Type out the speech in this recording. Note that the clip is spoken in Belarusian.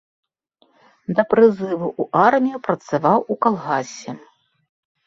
Да прызыву ў армію працаваў у калгасе.